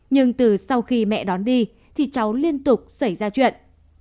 nhưng từ sau khi mẹ đón đi thì cháu liên tục xảy ra chuyện